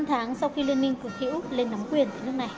năm tháng sau khi liên minh của thế úc lên nắm quyền